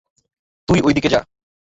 তুই ঐদিকে যা।